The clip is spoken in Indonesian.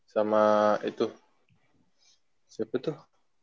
sama itu siapa tuh